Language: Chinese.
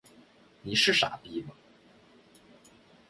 你是傻逼吗？